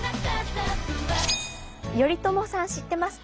頼朝さん知ってますか？